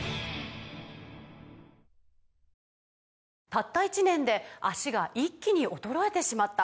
「たった１年で脚が一気に衰えてしまった」